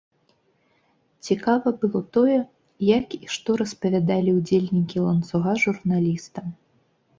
Цікава было тое, як і што распавядалі ўдзельнікі ланцуга журналістам.